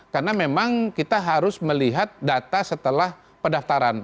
karena memang kita harus melihat data setelah pendaftaran